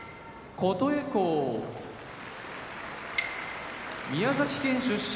琴恵光宮崎県出身